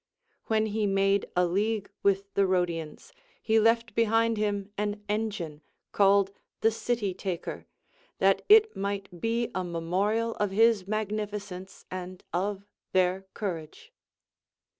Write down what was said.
When he made a league with the Rhodians, he left behind him an engine, called the City Taker, that it might be a memorial of his magnificence and of their cour AND GREAT COMMANDERS. 205 nge.